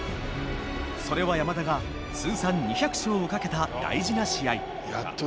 それは山田が通算２００勝をかけた大事な試合。